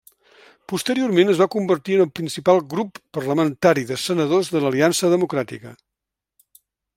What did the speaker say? Posteriorment es va convertir en el principal grup parlamentari de senadors de l'Aliança Democràtica.